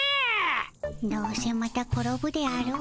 どうせまた転ぶであろうがの。